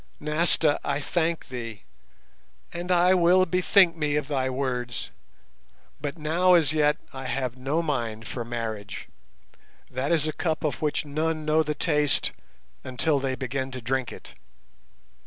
Nasta, I thank thee, and I will bethink me of thy words, but now as yet I have no mind for marriage, that is a cup of which none know the taste until they begin to drink it.